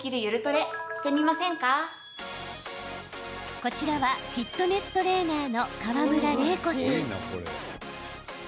こちらはフィットネストレーナーの河村玲子さん。